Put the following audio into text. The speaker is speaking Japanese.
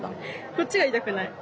こっちは痛くない。